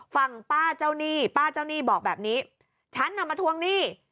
ฝั่งป้าเจ้าหนี้ป้าเจ้าหนี้บอกแบบนี้ฉันน่ะมาทวงหนี้